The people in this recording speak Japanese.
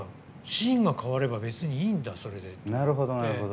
シーンが変わればいいんだそれでって。